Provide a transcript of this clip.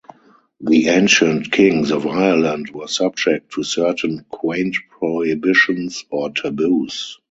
The ancient kings of Ireland were subject to certain quaint prohibitions or taboos.